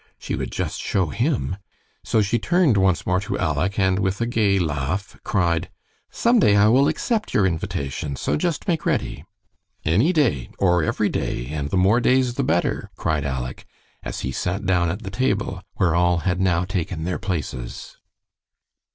She would just show him. So she turned once more to Aleck, and with a gay laugh, cried, "Some day I will accept your invitation, so just make ready." "Any day, or every day, and the more days the better," cried Aleck, as he sat down at the table, where all had now taken their places.